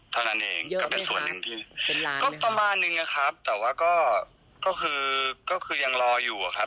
แต่ว่าก็คือยังรออยู่ครับ